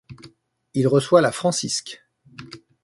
Il reçoit la Francisque.